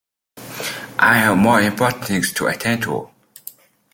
I have more important things to attend to.